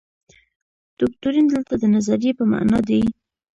دوکتورین دلته د نظریې په معنا دی.